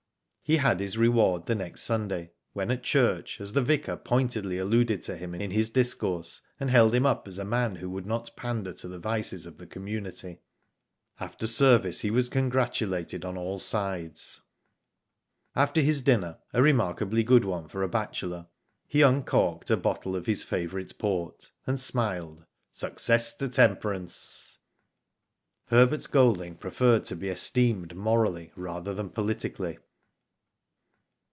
He had his reward the next Sunday when at church, as the Vicar pointedly alluded to him in his discourse, and held him up as a man who would not pander to the vices of the community. After servicje he was congratulated on all sides. After his dinner — a remarkably good one for a bachelor — he uncorked a bottle of his favourite port, and smiled " Success to temperance." Herbert Golding preferred to be esteemed morally rather than politically.